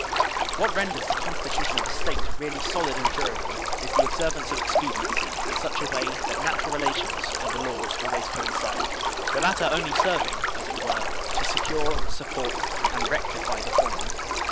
What renders the constitution of a State really solid and durable is the observance of expediency in such a way that natural relations and the laws always coincide, the latter only serving, as it were, to secure, support, and rectify the former.